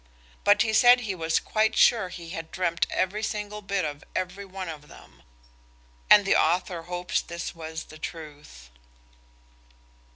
But he said he was quite sure he had dreamed every single bit of every one of them. And the author hopes this was the truth.